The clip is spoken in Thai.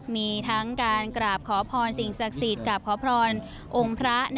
มีทั้งการกราบขอพรสิ่งศักดิ์สิทธิ์กราบขอพรองค์พระ